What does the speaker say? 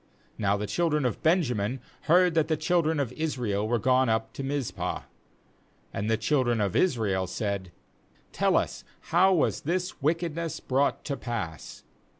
— 3Now the children of Benjamin heard that the children of Israel were gone up to Mizpah — And the children of Israel said: 'Tejl us, how was this wickedness brought to pass?'